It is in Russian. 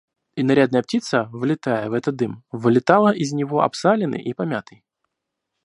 И нарядная птица, влетая в этот дым, вылетала из него обсаленной и помятой.